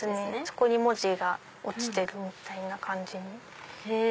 そこに文字が落ちてるみたいな感じに。